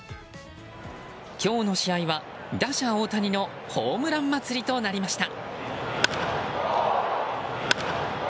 今日の試合は打者・大谷のホームラン祭りとなりました。